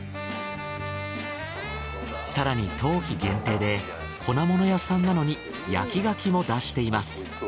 更に冬季限定で粉もの屋さんなのに焼き牡蠣も出しています。